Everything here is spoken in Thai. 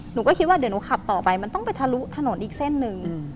หนูก็คิดว่าเดี๋ยวหนูขับต่อไปมันต้องไปทะลุถนนอีกเส้นหนึ่ง